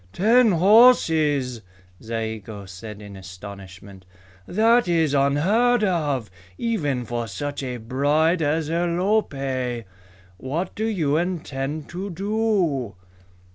"Ten horses!" Zayigo said in astonishment. "That is unheard of, even for such a bride as Alope! What do you intend to do?"